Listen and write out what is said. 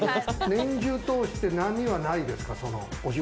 年中通して波はないですか？